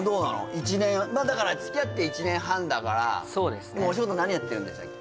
１年だから付き合って１年半だからそうですねお仕事何やってるんでしたっけ？